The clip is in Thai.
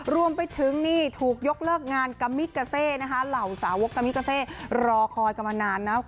รวมไปถึงนี่ถูกยกเลิกงานกามิกาเซนะคะเหล่าสาวกกามิกาเซรอคอยกันมานานนะ